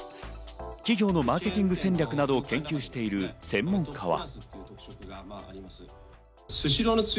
企業のマーケティング戦略などを研究している専門家は。